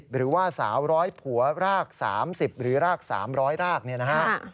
หรือว่าสาวร้อยผัวรากสามสิบหรือรากสามร้อยรากนี่นะฮะ